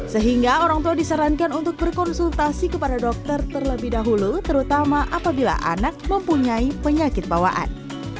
sehingga orang tua disarankan untuk berkonsultasi kepada dokter terlebih dahulu terutama apabila anak mempunyai penyakit bawaan